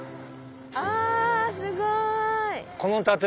あすごい。